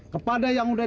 kepada yang udah